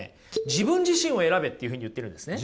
「自分自身を選べ」というふうに言ってるんですね。